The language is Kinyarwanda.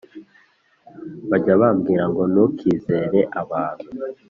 Bajya bambwira ngo ntukizere abantu